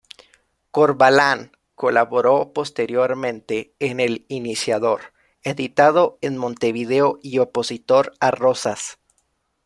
Corvalán colaboró posteriormente en "El Iniciador", editado en Montevideo y opositor a Rosas.